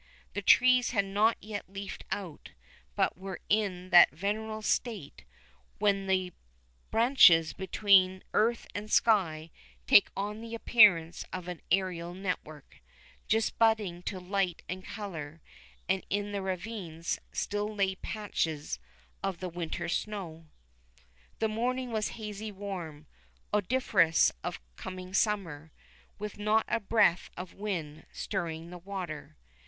The trees had not yet leafed out, but were in that vernal state when the branches between earth and sky take on the appearance of an aerial network just budding to light and color; and in the ravines still lay patches of the winter snow. The morning was hazy, warm, odoriferous of coming summer, with not a breath of wind stirring the water.